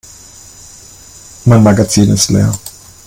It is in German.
Mein Magazin ist leer.